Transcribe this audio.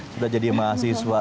sudah jadi mahasiswa